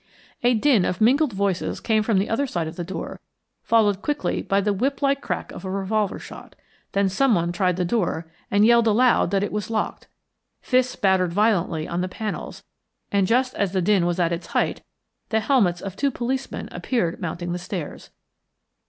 A din of mingled voices came from the other side of the door, followed quickly by the whiplike crack of a revolver shot. Then someone tried the door and yelled aloud that it was locked. Fists battered violently on the panels, and just as the din was at its height the helmets of two policemen appeared mounting the stairs.